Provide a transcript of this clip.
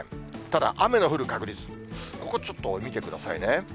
ただ、雨の降る確率、ここちょっと見てくださいね。